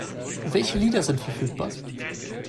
Welche Lieder sind verfügbar?